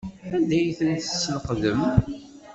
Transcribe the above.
Anda ay ten-tesneqdem?